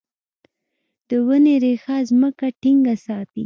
د ونې ریښه ځمکه ټینګه ساتي.